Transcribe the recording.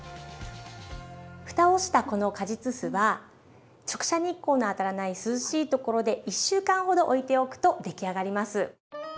ふたをしたこの果実酢は直射日光の当たらない涼しいところで１週間ほどおいておくと出来上がります。